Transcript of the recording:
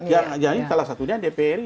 yang salah satunya dpr ini